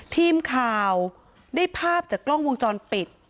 ทีมข่าวได้ภาพจากกล้องวงจรปิด